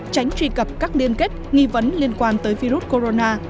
tránh truy cập các liên kết nghi vấn liên quan tới virus corona